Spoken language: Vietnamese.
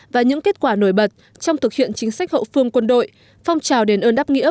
và những kết quả nổi bật trong thực hiện chính sách hậu phương quân đội phong trào đền ơn đáp nghĩa